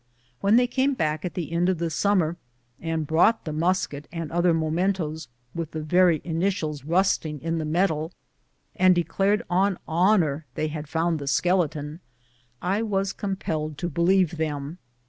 When they came back at the end of the summer, and brought the musket and other mementos, witli the very initials rusting in the metal, and declared on honor, that they had found the skeleton, I was com pelled to believe them.